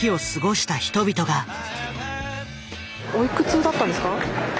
おいくつだったんですか？